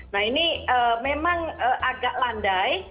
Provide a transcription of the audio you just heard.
nah ini memang agak landai